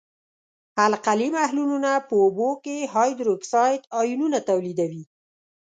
القلي محلولونه په اوبو کې هایدروکساید آیونونه تولیدوي.